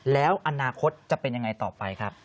แล้วอนาคตจะเป็นยังไงต่อไปครับ